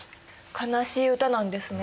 悲しい歌なんですね。